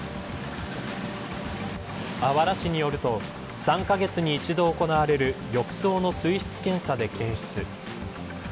あわら市によると３カ月に１度行われる浴槽の水質検査で検出。